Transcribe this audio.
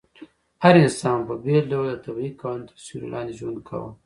هر انسان په بېل ډول د طبيعي قوانينو تر سيوري لاندي ژوند کاوه